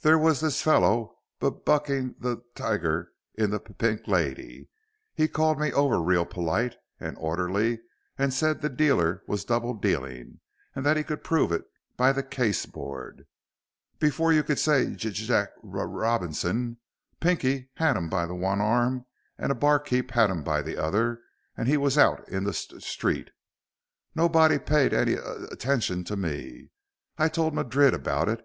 "There was this feller b bucking the t tiger in the P Pink Lady. He called me over real polite and orderly and said the dealer was double dealing and that he could prove it by the case board. Before you could say J J Jack R R Robinson, Pinky had him by one arm and a barkeep had him by the other and he was out in the s street. Nobody paid any at t tention to me. I told Madrid about it.